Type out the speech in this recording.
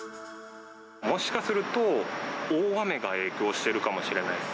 もしかすると、大雨が影響してるかもしれないです。